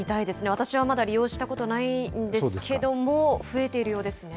私はまだ利用したことないんですけれども、増えているようですね。